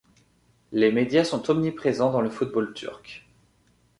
Les médias sont omniprésents dans le football turc.